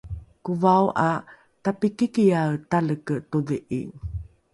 kovao ’a tapikikiae taleke todhi’i